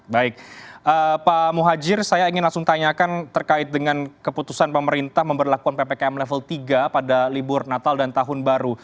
baik pak muhajir saya ingin langsung tanyakan terkait dengan keputusan pemerintah memperlakukan ppkm level tiga pada libur natal dan tahun baru